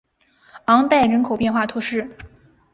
昂代人口变化图示